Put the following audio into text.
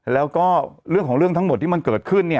แล้วก็เรื่องของเรื่องทั้งหมดที่มันเกิดขึ้น